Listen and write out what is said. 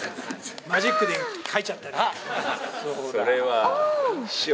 マジックで書いちゃったり！